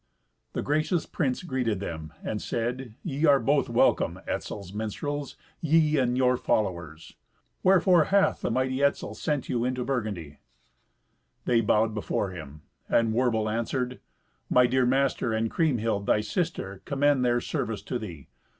The gracious prince greeted them, and said, "Ye are both welcome, Etzel's minstrels, ye and your followers. Wherefore hath the mighty Etzel sent you into Burgundy?" They bowed before him, and Werbel answered, "My dear master, and Kriemhild thy sister, commend their service to thee.